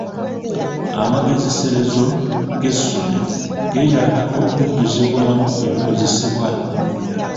Amagezeserezo g'essomero geetaaga okujjuzibwamu ebikozesebwa.